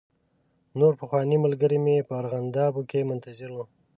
نور پخواني ملګري مې په ارغنداو کې منتظر و.